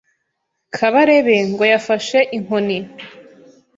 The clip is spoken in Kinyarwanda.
Kabarebe ngo yafashe inkoni